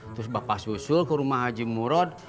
terus bapak susul ke rumah haji murod